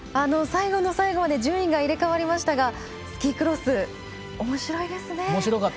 最後の最後まで順位が入れ代わりましたがスキークロスおもしろいですね。